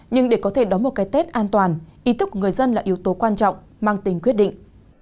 nhưng để có thể đón một cái tết an toàn ý thức của người dân là yếu tố quan trọng mang tính quyết định